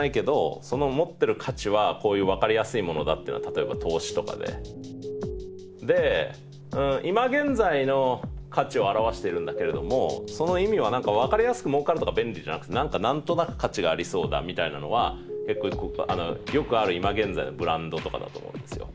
今この場ですぐに分かるような「価値」っていうのと今現在の価値を表してるんだけれどもその意味は何か分かりやすく「儲かる」とか「便利」じゃなくて何か何となく価値がありそうだみたいなのはよくある今現在のブランドとかだと思うんですよ。